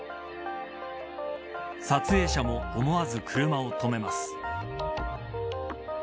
撮影者も思わず車を止めます。